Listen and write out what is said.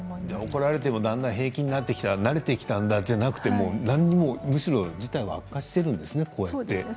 怒られても平気になってきたら慣れてきたんじゃなくて、むしろ事態は悪化しているんですね。